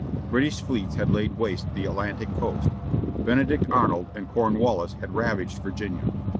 British fleets had laid waste the Atlantic coast. Benedict Arnold and Cornwallis had ravaged Virginia.